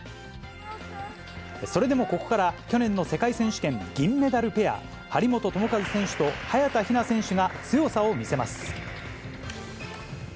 それでもここから、去年の世界選手権銀メダルペア、張本智和選手と早田ひな選手が強さを見せます。